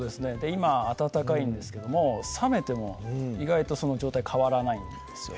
今温かいんですけども冷めても意外とその状態変わらないんですよ